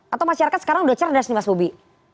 atau masyarakat sekarang sudah cerdas nih mas bobi